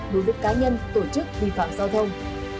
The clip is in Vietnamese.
đối với cá nhân tổ chức vi phạm giao thông